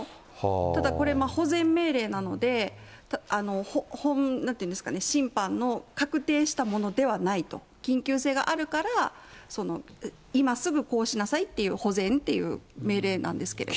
ただこれ、保全命令なので、審判の確定したものではないと、緊急性があるから、今すぐこうしなさいっていう、保全っていう命令なんですけれども。